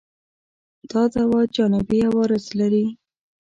دا دوا جانبي عوارض لري؟